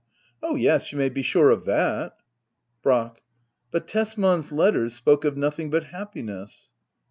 Oh yes, you may be sure of that ! Brack. But Tesman's letters spoke of nothing but hap piness.